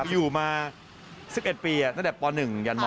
อยู่มา๑๑ปีตั้งแต่ป๑ยันม